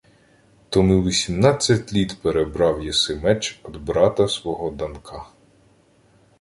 — Тому вісімнадесять літ перебрав єси меч од брата свого Данка.